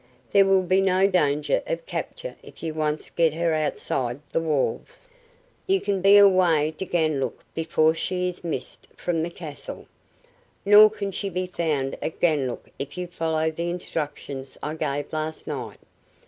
There will be no danger of capture if you once get her outside the walls. You can be half way to Ganlook before she is missed from the castle. Nor can she be found at Ganlook if you follow the instructions I gave last night.